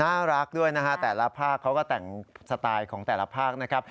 น่ารักด้วยนะฮะแต่ละภาคเขาก็แต่งสไตล์ของแต่ละภาคนะครับ